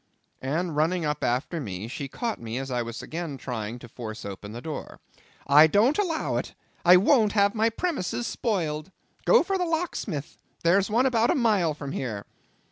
And running up after me, she caught me as I was again trying to force open the door. "I don't allow it; I won't have my premises spoiled. Go for the locksmith, there's one about a mile from here.